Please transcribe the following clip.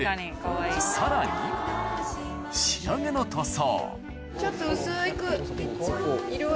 さらに仕上げの塗装